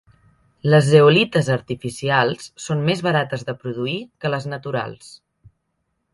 Les zeolites artificials són més barates de produir que les naturals.